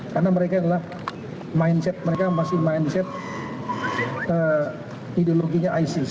karena mereka adalah mindset mereka masih mindset ideologinya isis